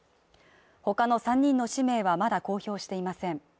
他の３人の氏名はまだ公表していません。